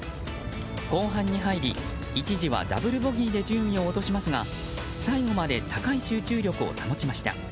後半に入り一時はダブルボギーで順位を落としますが最後まで高い集中力を保ちました。